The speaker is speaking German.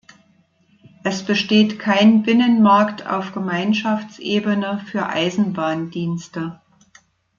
Es besteht kein Binnenmarkt auf Gemeinschaftsebene für Eisenbahndienste.